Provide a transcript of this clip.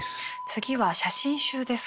次は写真集ですか。